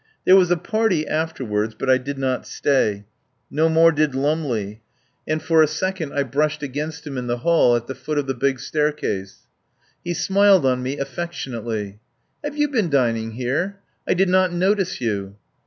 There was a party afterwards, but I did not stay. No more did Lumley, and for a 131 THE POWER HOUSE second I brushed against him in the hall at the foot of the big staircase. He smiled on me affectionately. "Have you been dining here? I did not no tice you."